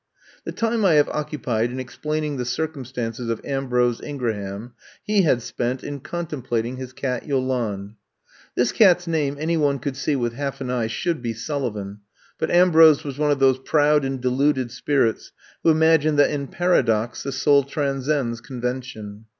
The time I have occupied in explaining the circumstances of Ambrose Ingraham he had spent in contemplating his cat Yolande. This cat 's name any one could see with half an eye should be Sullivan, but Ambrose was one of those proud and deluded spirits who imagine that in paradox the soul tran scends convention.